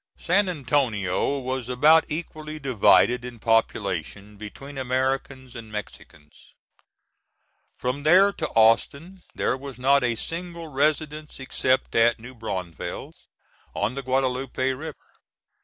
San Antonio was about equally divided in population between Americans and Mexicans. From there to Austin there was not a single residence except at New Braunfels, on the Guadalupe River.